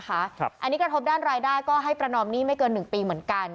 อันนี้กระทบด้านรายได้ก็ให้ประนอมหนี้ไม่เกิน๑ปีเหมือนกัน